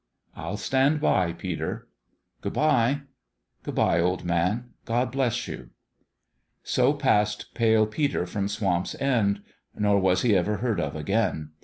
"I'll stand by, Peter." " Good bye !"" Good bye, old man 1 God bless you !" So passed Pale Peter from Swamp's End : nor was he ever heard of again.